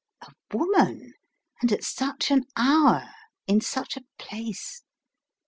A woman and at such an hour in such a place!